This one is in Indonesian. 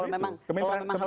kalau memang harus diminta